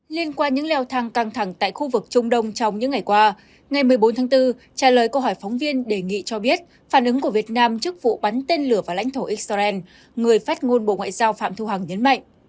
liên quan những leo thang căng thẳng tại khu vực trung đông trong những ngày qua ngày một mươi bốn tháng bốn trả lời câu hỏi phóng viên đề nghị cho biết phản ứng của việt nam trước vụ bắn tên lửa vào lãnh thổ israel người phát ngôn bộ ngoại giao phạm thu hằng nhấn mạnh